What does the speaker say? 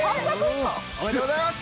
おめでとうございます！